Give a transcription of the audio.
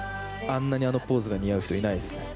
あんなに、あのポーズが似合う人いないですね。